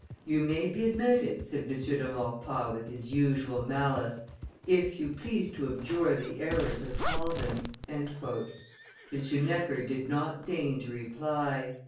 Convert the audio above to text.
"You may be admitted," said M. de Maurepas with his, usual malice, "if you please to abjure the errors of Calvin." M. Necker did not deign to reply.